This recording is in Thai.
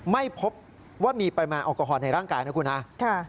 ไม่พบว่ามีปริมาณแอลกอฮอลในร่างกายนะครับ